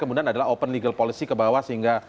kemudian adalah open legal policy ke bawah sehingga